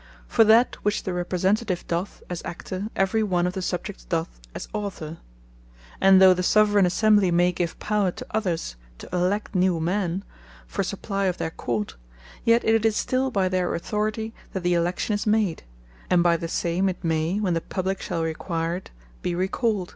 For that which the Representative doth, as Actor, every one of the Subjects doth, as Author. And though the Soveraign assembly, may give Power to others, to elect new men, for supply of their Court; yet it is still by their Authority, that the Election is made; and by the same it may (when the publique shall require it) be recalled.